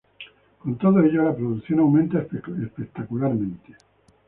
Con todo ello la producción aumenta espectacularmente.